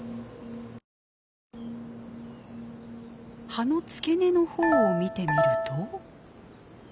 葉の付け根のほうを見てみると。